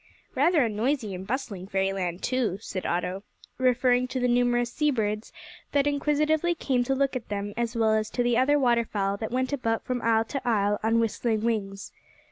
"Rather a noisy and bustling fairyland too," said Otto, referring to the numerous sea birds that inquisitively came to look at them, as well as to the other waterfowl that went about from isle to isle on whistling wings.